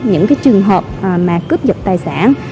những trường hợp mà cướp giật tài sản